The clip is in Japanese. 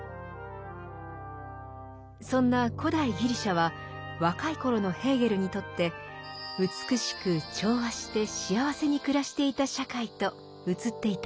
そんな古代ギリシャは若い頃のヘーゲルにとって「美しく調和して幸せに暮らしていた社会」と映っていたようです。